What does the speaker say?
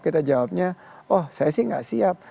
kita jawabnya oh saya sih nggak siap